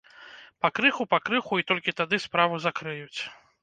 Пакрыху, пакрыху, і толькі тады справу закрыюць.